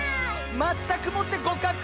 まったくもってごかく！